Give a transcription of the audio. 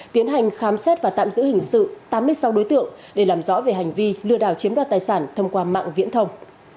tiến hành khám xét và tạm giữ hình sự tám mươi sáu đối tượng để làm rõ về hành vi lừa đảo chiếm đoạt tài sản thông qua mạng viễn thông